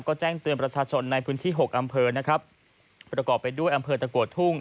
ก็แจ้งเตือนประชาชนในพื้นที่หกอำเภอนะครับประกอบไปด้วยอำเภอตะกัวทุ่ง